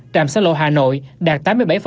trạm sa lộ hà nội đạt tám mươi bảy